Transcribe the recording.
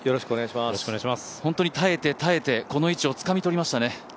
本当に耐えて耐えてこの位置をつかみ取りましたね。